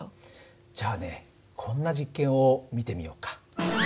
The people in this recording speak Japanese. じゃあねこんな実験を見てみようか。